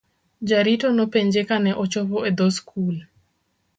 Jarito nopenje kane ochopo e dhoo skul.